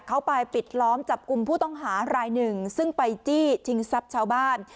เขาไปปิดล้อมจับกลุ่มผู้ต้องหารายหนึ่งซึ่งไปจี้ชิงทรัพย์ชาวบ้าน